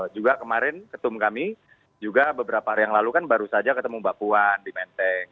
juga kemarin ketum kami juga beberapa hari yang lalu kan baru saja ketemu mbak puan di menteng